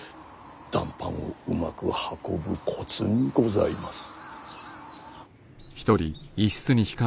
談判をうまく運ぶコツにございます。